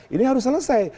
ini harus selesai